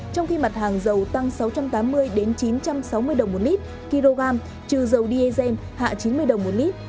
trong khi mặt hàng dầu tăng sáu trăm tám mươi chín trăm sáu mươi đồng một lít kg trừ dầu diesel hạ chín mươi đồng một lít